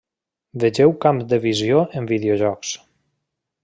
Vegeu Camp de visió en videojocs.